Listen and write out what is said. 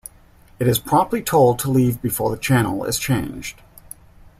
It is promptly told to leave before the channel is changed.